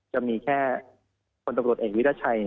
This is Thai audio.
จะมีแค่คนตำรวจเอกวิรัชัย